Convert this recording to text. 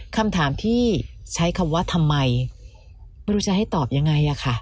คำถามที่ใช้คำว่าทำไมไม่รู้จะให้ตอบยังไงอะค่ะ